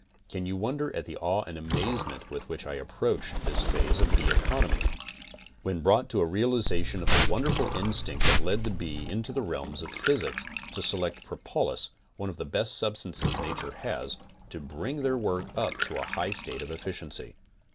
Can you wonder at the awe and amazement with which I approached this phase of bee economy, when brought to a realization of the wonderful instinct that led the bee into the realms of physics, to select propolis, one of the best substances nature has, to bring their work up to a high state of efficiency.